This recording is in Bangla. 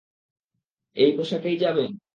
এই পোশাকেই যাবে?